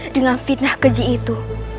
dengan fitnah keji itu